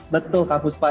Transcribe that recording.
betul kak fuspa